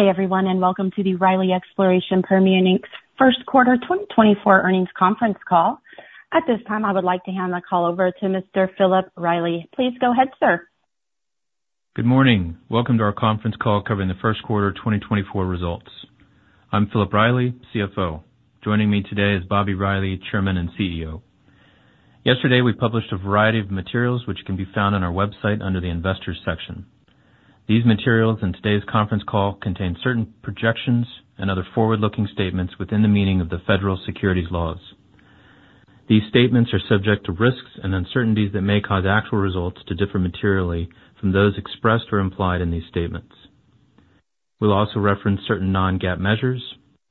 Good day, everyone, and welcome to the Riley Exploration Permian, Inc.'s first quarter 2024 earnings conference call. At this time, I would like to hand the call over to Mr. Philip Riley. Please go ahead, sir. Good morning. Welcome to our conference call covering the first quarter of 2024 results. I'm Philip Riley, CFO. Joining me today is Bobby Riley, Chairman and CEO. Yesterday, we published a variety of materials which can be found on our website under the Investors section. These materials and today's conference call contain certain projections and other forward-looking statements within the meaning of the federal securities laws. These statements are subject to risks and uncertainties that may cause actual results to differ materially from those expressed or implied in these statements. We'll also reference certain non-GAAP measures.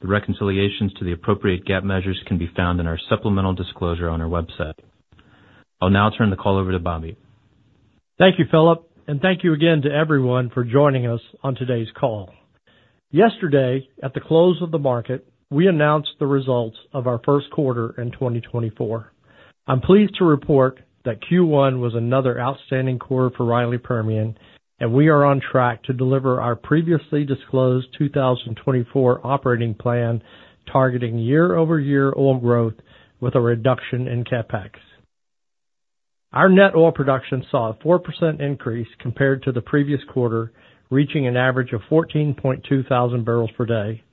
The reconciliations to the appropriate GAAP measures can be found in our supplemental disclosure on our website. I'll now turn the call over to Bobby. Thank you, Philip, and thank you again to everyone for joining us on today's call. Yesterday, at the close of the market, we announced the results of our first quarter in 2024. I'm pleased to report that Q1 was another outstanding quarter for Riley Permian, and we are on track to deliver our previously disclosed 2024 operating plan, targeting year-over-year oil growth with a reduction in CapEx. Our net oil production saw a 4% increase compared to the previous quarter, reaching an average of 14,200 barrels per day.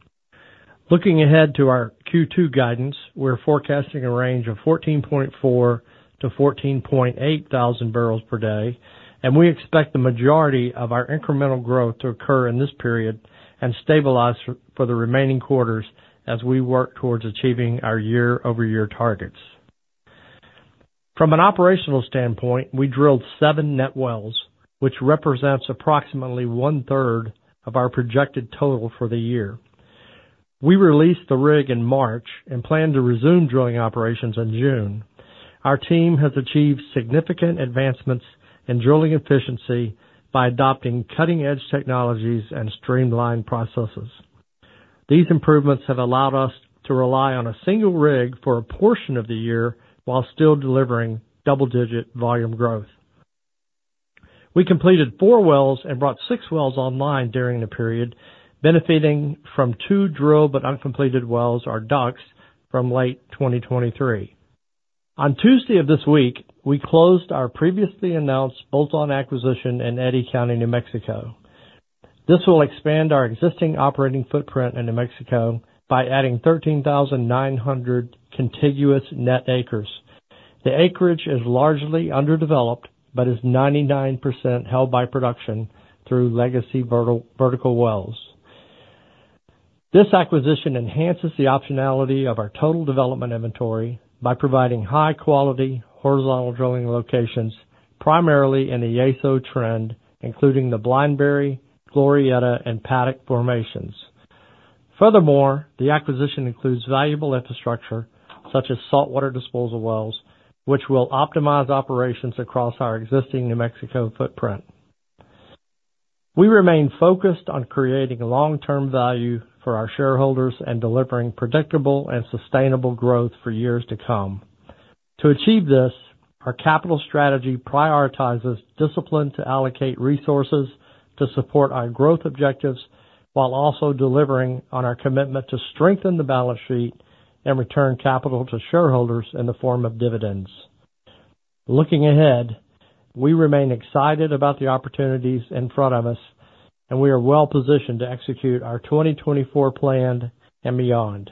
Looking ahead to our Q2 guidance, we're forecasting a range of 14,400-14,800 barrels per day, and we expect the majority of our incremental growth to occur in this period and stabilize for the remaining quarters as we work towards achieving our year-over-year targets. From an operational standpoint, we drilled 7 net wells, which represents approximately one-third of our projected total for the year. We released the rig in March and plan to resume drilling operations in June. Our team has achieved significant advancements in drilling efficiency by adopting cutting-edge technologies and streamlined processes. These improvements have allowed us to rely on a single rig for a portion of the year while still delivering double-digit volume growth. We completed four wells and brought six wells online during the period, benefiting from two drilled but uncompleted wells or DUCs from late 2023. On Tuesday of this week, we closed our previously announced bolt-on acquisition in Eddy County, New Mexico. This will expand our existing operating footprint in New Mexico by adding 13,900 contiguous net acres. The acreage is largely underdeveloped, but is 99% held by production through legacy vertical wells. This acquisition enhances the optionality of our total development inventory by providing high-quality horizontal drilling locations, primarily in the Yeso Trend, including the Blinebry, Glorieta, and Paddock formations. Furthermore, the acquisition includes valuable infrastructure, such as saltwater disposal wells, which will optimize operations across our existing New Mexico footprint. We remain focused on creating long-term value for our shareholders and delivering predictable and sustainable growth for years to come. To achieve this, our capital strategy prioritizes discipline to allocate resources to support our growth objectives, while also delivering on our commitment to strengthen the balance sheet and return capital to shareholders in the form of dividends. Looking ahead, we remain excited about the opportunities in front of us, and we are well positioned to execute our 2024 plan and beyond.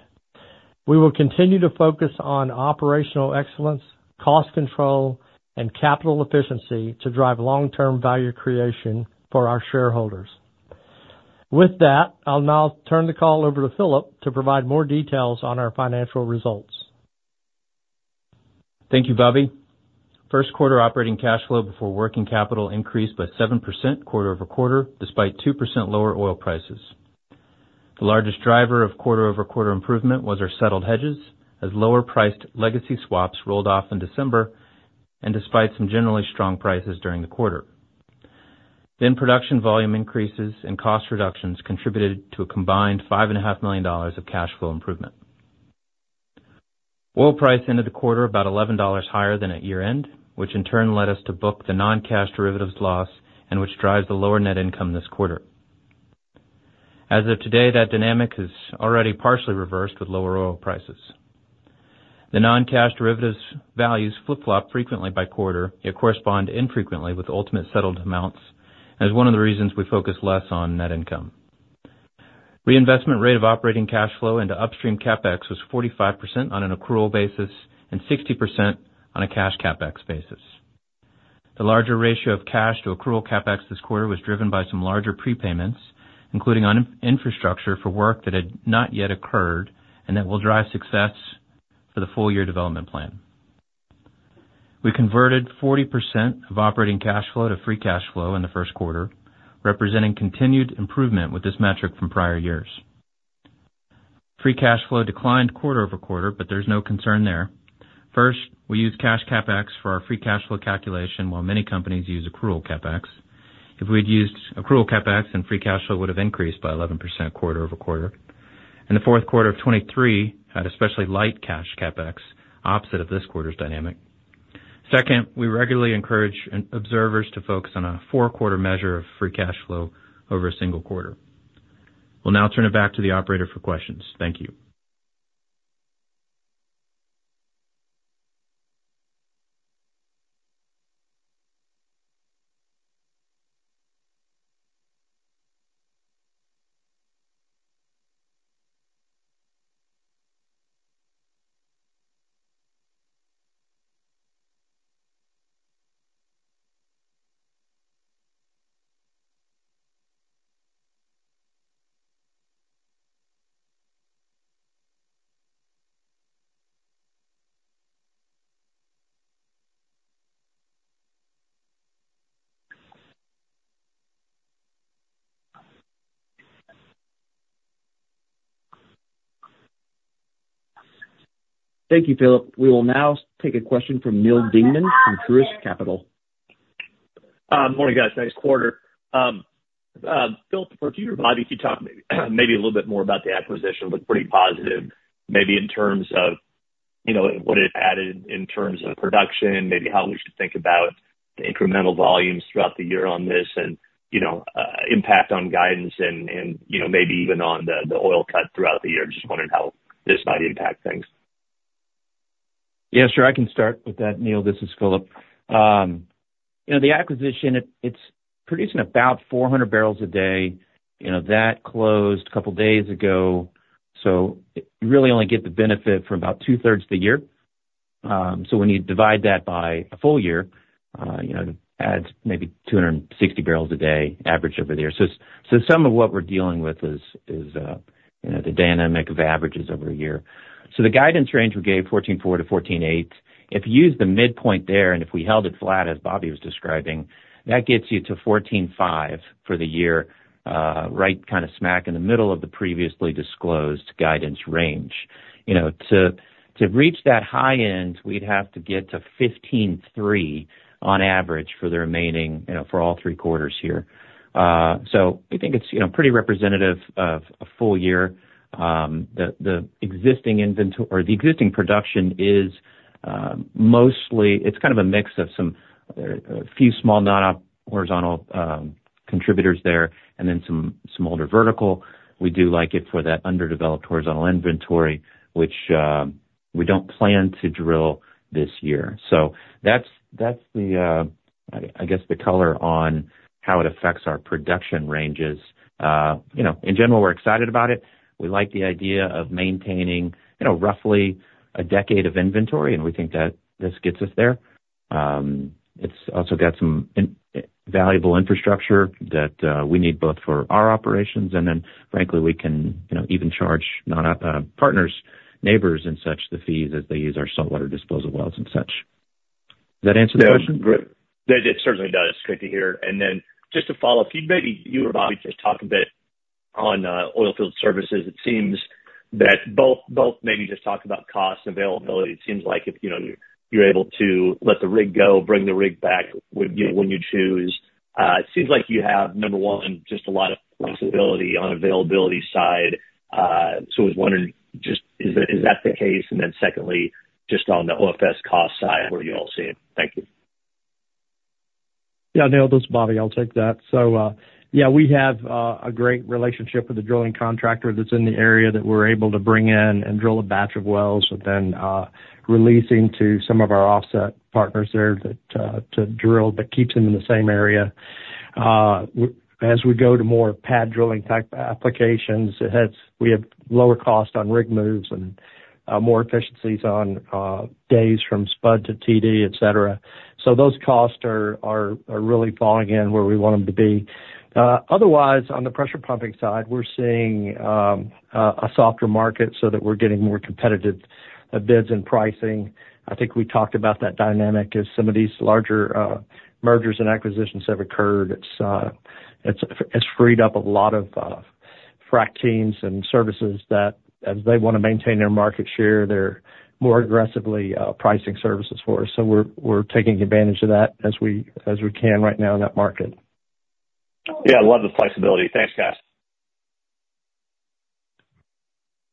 We will continue to focus on operational excellence, cost control, and capital efficiency to drive long-term value creation for our shareholders. With that, I'll now turn the call over to Philip to provide more details on our financial results. Thank you, Bobby. First quarter operating cash flow before working capital increased by 7% quarter-over-quarter, despite 2% lower oil prices. The largest driver of quarter-over-quarter improvement was our settled hedges, as lower priced legacy swaps rolled off in December and despite some generally strong prices during the quarter. Then production volume increases and cost reductions contributed to a combined $5.5 million of cash flow improvement. Oil price ended the quarter about $11 higher than at year-end, which in turn led us to book the non-cash derivatives loss and which drives the lower net income this quarter. As of today, that dynamic is already partially reversed with lower oil prices. The non-cash derivatives values flip-flop frequently by quarter, yet correspond infrequently with ultimate settled amounts, as one of the reasons we focus less on net income. Reinvestment rate of operating cash flow into upstream CapEx was 45% on an accrual basis and 60% on a cash CapEx basis. The larger ratio of cash to accrual CapEx this quarter was driven by some larger prepayments, including on infrastructure for work that had not yet occurred, and that will drive success for the full-year development plan. We converted 40% of operating cash flow to free cash flow in the first quarter, representing continued improvement with this metric from prior years. Free cash flow declined quarter-over-quarter, but there's no concern there. First, we used cash CapEx for our free cash flow calculation, while many companies use accrual CapEx. If we had used accrual CapEx, free cash flow would have increased by 11% quarter-over-quarter. In the fourth quarter of 2023, at especially light cash CapEx, opposite of this quarter's dynamic... ... Second, we regularly encourage observers to focus on a four-quarter measure of free cash flow over a single quarter. We'll now turn it back to the operator for questions. Thank you. Thank you, Philip. We will now take a question from Neal Dingmann from Truist Securities. Morning, guys. Nice quarter. Philip, for you or Bobby, could you talk maybe a little bit more about the acquisition? Looked pretty positive, maybe in terms of, you know, what it added in terms of production, maybe how we should think about the incremental volumes throughout the year on this and, you know, impact on guidance and, you know, maybe even on the oil cut throughout the year. Just wondering how this might impact things. Yeah, sure. I can start with that, Neal. This is Philip. You know, the acquisition, it, it's producing about 400 barrels a day. You know, that closed a couple days ago, so you really only get the benefit for about two-thirds of the year. So when you divide that by a full year, you know, it adds maybe 260 barrels a day, average, over the year. So some of what we're dealing with is, you know, the dynamic of averages over a year. So the guidance range we gave, 14.4-14.8, if you use the midpoint there, and if we held it flat, as Bobby was describing, that gets you to 14.5 for the year, right kind of smack in the middle of the previously disclosed guidance range. You know, to reach that high end, we'd have to get to 15.3 on average for the remaining, you know, for all three quarters here. So we think it's, you know, pretty representative of a full year. The existing inventory... Or the existing production is, mostly, it's kind of a mix of some, a few small, non-horizontal, contributors there and then some, older vertical. We do like it for that underdeveloped horizontal inventory, which, we don't plan to drill this year. So that's, I guess, the color on how it affects our production ranges. You know, in general, we're excited about it. We like the idea of maintaining, you know, roughly a decade of inventory, and we think that this gets us there. It's also got some invaluable infrastructure that we need both for our operations, and then frankly, we can, you know, even charge non-partners, neighbors, and such, the fees as they use our saltwater disposal wells and such. Does that answer the question? Yeah. Great. That it certainly does. Good to hear. And then just to follow up, if you'd maybe, you or Bobby, just talk a bit on oil field services. It seems that both maybe just talk about cost and availability. It seems like if, you know, you're able to let the rig go, bring the rig back when you choose. It seems like you have, number one, just a lot of flexibility on availability side. So I was wondering, just is that the case? And then secondly, just on the OFS cost side, where do you all see it? Thank you. Yeah, Neal, this is Bobby. I'll take that. So, yeah, we have a great relationship with the drilling contractor that's in the area that we're able to bring in and drill a batch of wells and then releasing to some of our offset partners there that to drill, but keeps them in the same area. As we go to more pad drilling type applications, it has... We have lower cost on rig moves and more efficiencies on days from spud to TD, et cetera. So those costs are really falling in where we want them to be. Otherwise, on the pressure pumping side, we're seeing a softer market so that we're getting more competitive bids and pricing. I think we talked about that dynamic as some of these larger mergers and acquisitions have occurred. It's freed up a lot of frac teams and services that, as they want to maintain their market share, they're more aggressively pricing services for us. So we're taking advantage of that as we can right now in that market. Yeah, love the flexibility. Thanks, guys.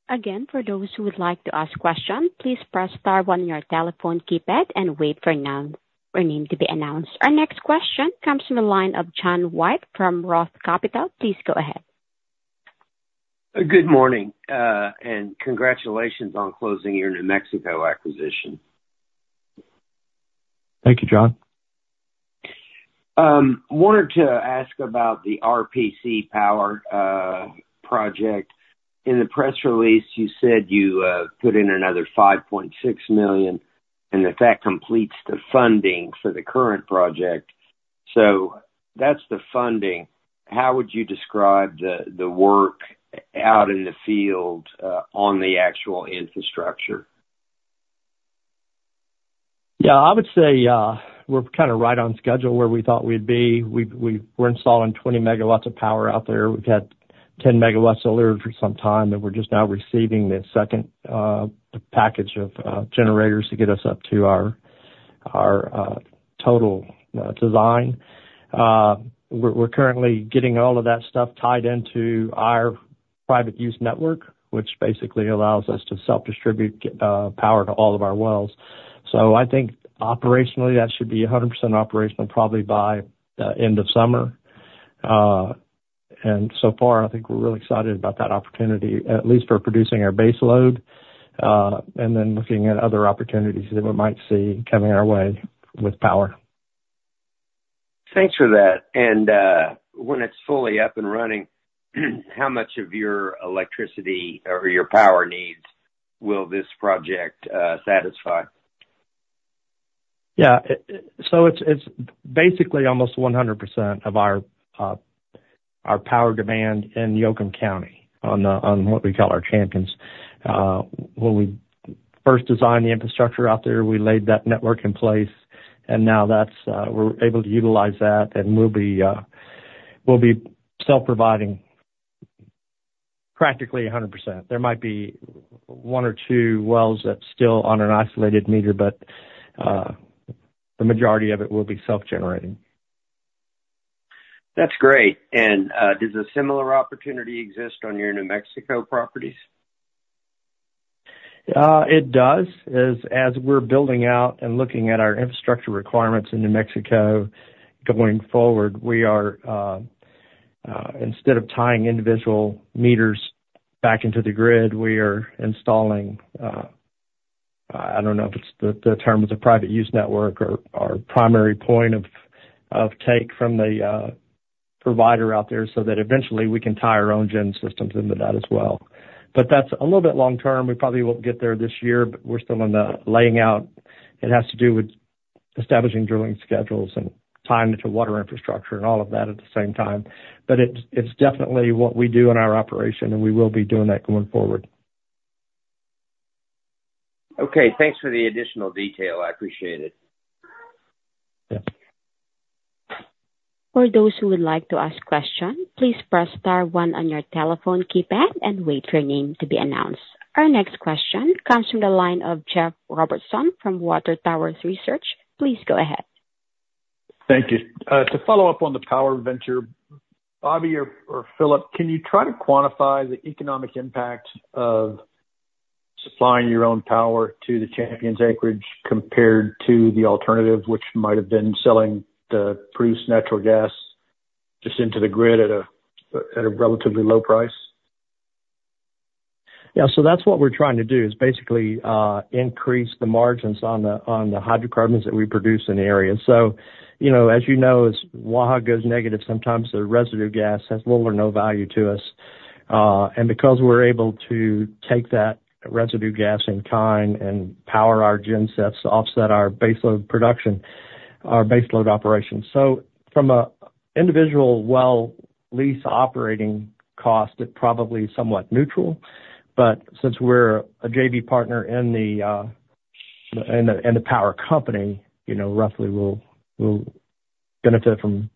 Again, for those who would like to ask questions, please press star one on your telephone keypad and wait for your name to be announced. Our next question comes from the line of John White from Roth Capital. Please go ahead. Good morning, and congratulations on closing your New Mexico acquisition. Thank you, John. Wanted to ask about the RPC Power project. In the press release, you said you put in another $5.6 million, and that completes the funding for the current project. So that's the funding. How would you describe the work out in the field on the actual infrastructure? Yeah, I would say we're kind of right on schedule where we thought we'd be. We're installing 20 MW of power out there. We've had 10 MW solar for some time, and we're just now receiving the second package of generators to get us up to our total design. We're currently getting all of that stuff tied into our private use network, which basically allows us to self-distribute power to all of our wells. So I think operationally, that should be 100% operational, probably by the end of summer. And so far, I think we're really excited about that opportunity, at least for producing our baseload, and then looking at other opportunities that we might see coming our way with power. Thanks for that. When it's fully up and running, how much of your electricity or your power needs will this project satisfy? Yeah. So it's basically almost 100% of our power demand in Yoakum County, on what we call our Champions. When we first designed the infrastructure out there, we laid that network in place, and now that's, we're able to utilize that, and we'll be self-providing practically 100%. There might be one or two wells that's still on an isolated meter, but the majority of it will be self-generating. That's great. And, does a similar opportunity exist on your New Mexico properties? It does. As we're building out and looking at our infrastructure requirements in New Mexico going forward, we are, instead of tying individual meters back into the grid, we are installing, I don't know if it's the, the term is a private use network or our primary point of take from the provider out there, so that eventually we can tie our own gen systems into that as well. But that's a little bit long term. We probably won't get there this year, but we're still in the laying out. It has to do with establishing drilling schedules and timing to water infrastructure and all of that at the same time. But it's definitely what we do in our operation, and we will be doing that going forward. Okay, thanks for the additional detail. I appreciate it. Yeah. For those who would like to ask question, please press star one on your telephone keypad and wait for your name to be announced. Our next question comes from the line of Jeff Robertson from Water Tower Research. Please go ahead. Thank you. To follow up on the power venture, Bobby or Philip, can you try to quantify the economic impact of supplying your own power to the Champions acreage, compared to the alternative, which might have been selling the produced natural gas just into the grid at a relatively low price? Yeah, so that's what we're trying to do, is basically, increase the margins on the, on the hydrocarbons that we produce in the area. So, you know, as you know, as Waha goes negative, sometimes the residue gas has little or no value to us. And because we're able to take that residue gas in kind and power our gensets to offset our baseload production, our baseload operations. So from a individual well lease operating cost, it probably is somewhat neutral, but since we're a JV partner in the, in the, in the power company, you know, roughly we'll, we'll benefit from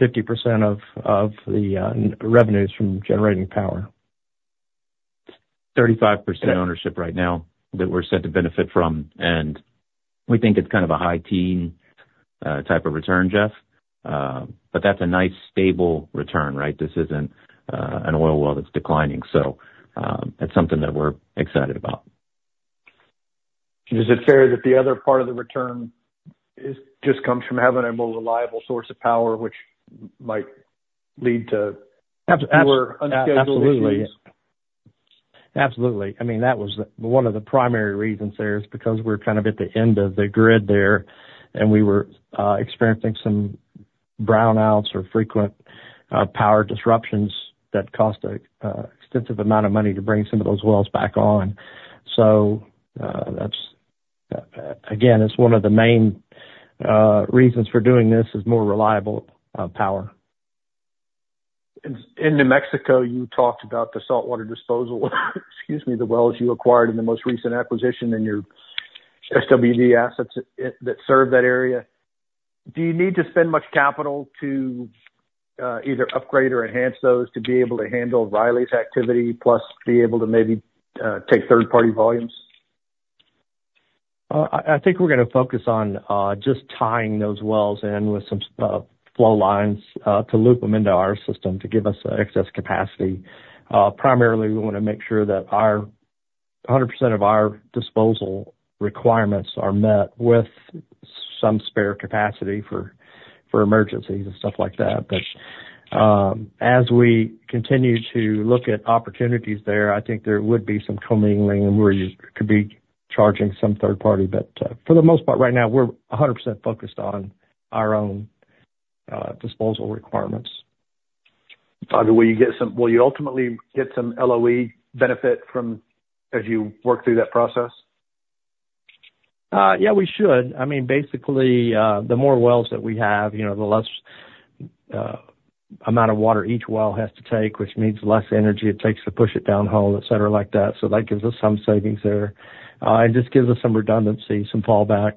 50% of, of the, revenues from generating power. 35% ownership right now that we're set to benefit from, and we think it's kind of a high-teen type of return, Jeff. But that's a nice stable return, right? This isn't an oil well that's declining. So, it's something that we're excited about. Is it fair that the other part of the return is just coming from having a more reliable source of power, which might lead to- Ab- ab- - fewer unscheduled issues? Absolutely. Absolutely. I mean, that was one of the primary reasons there is because we're kind of at the end of the grid there, and we were experiencing some brownouts or frequent power disruptions that cost an extensive amount of money to bring some of those wells back on. So, that's again, it's one of the main reasons for doing this, is more reliable power. In New Mexico, you talked about the saltwater disposal, excuse me, the wells you acquired in the most recent acquisition in your SWD assets that serve that area. Do you need to spend much capital to either upgrade or enhance those to be able to handle Riley's activity, plus be able to maybe take third-party volumes? I think we're gonna focus on just tying those wells in with some flowlines to loop them into our system, to give us excess capacity. Primarily, we want to make sure that our 100% of our disposal requirements are met with some spare capacity for emergencies and stuff like that. But as we continue to look at opportunities there, I think there would be some commingling where you could be charging some third party. But for the most part, right now, we're 100% focused on our own disposal requirements. Bobby, will you ultimately get some LOE benefit from as you work through that process? Yeah, we should. I mean, basically, the more wells that we have, you know, the less amount of water each well has to take, which means less energy it takes to push it downhole, et cetera, like that. So that gives us some savings there. It just gives us some redundancy, some fallback,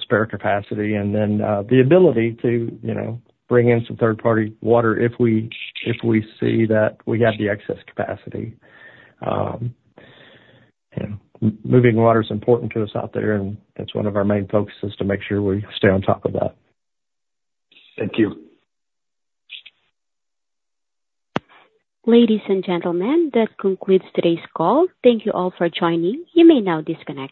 spare capacity, and then, the ability to, you know, bring in some third-party water if we, if we see that we have the excess capacity. Yeah. Moving water is important to us out there, and that's one of our main focuses, to make sure we stay on top of that. Thank you. Ladies and gentlemen, that concludes today's call. Thank you all for joining. You may now disconnect.